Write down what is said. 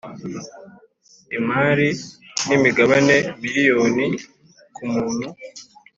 imari n imigabane million kumuntu